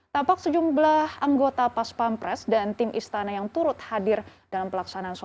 tampak sejumlah anggota pas pampres dan tim istana yang turut hadir dalam pelaksanaan sosial